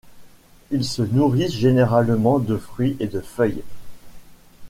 Ils se nourrissent généralement de fruits et de feuilles.